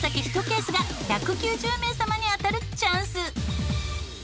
１ケースが１９０名様に当たるチャンス。